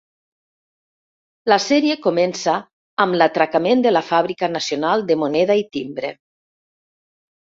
La sèrie comença amb l'atracament de la Fàbrica Nacional de Moneda i Timbre.